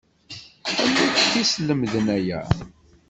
Anwa i kent-yeslemden aya?